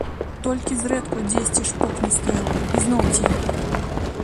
Толькі зрэдку дзесьці шпокне стрэл, і зноў ціха.